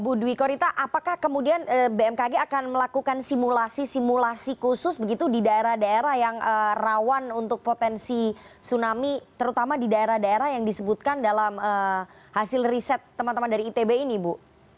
bu dwi korita apakah kemudian bmkg akan melakukan simulasi simulasi khusus begitu di daerah daerah yang rawan untuk potensi tsunami terutama di daerah daerah yang disebutkan dalam hasil riset teman teman dari itb ini bu